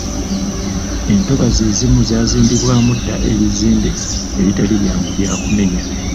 Entobazi ezimu zaazimbibwamu dda ebizimbe ebitali byangu bya kumenya.